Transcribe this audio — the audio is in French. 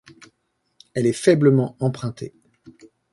Elle est faiblement empruntée.